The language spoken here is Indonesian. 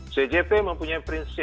cjp mempunyai prinsip